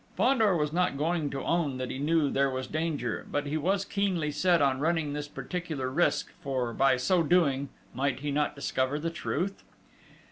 Fandor was not going to own that he knew there was danger; but he was keenly set on running this particular risk, for, by so doing, might he not discover the truth?